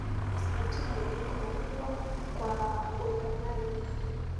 ikisababisha mabadiliko makubwa kwa bayoanuai